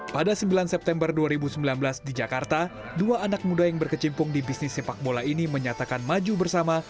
pada sembilan september dua ribu sembilan belas di jakarta dua anak muda yang berkecimpung di bisnis sepak bola ini menyatakan maju bersama